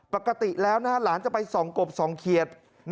ปกติแล้วหลานจะไปส่องกบส่องเขียด